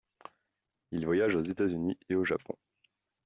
Il voyage aux États-Unis et au Japon.